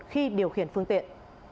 khi điều khiển phương tiện